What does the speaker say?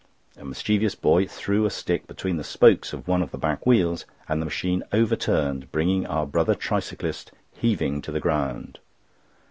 A mischievous boy threw a stick between the spokes of one of the back wheels, and the machine overturned, bringing our brother tricyclist heavily to the ground.